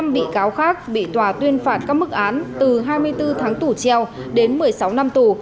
một mươi năm bị cáo khác bị tòa tuyên phạt các mức án từ hai mươi bốn tháng tủ treo đến một mươi sáu năm tù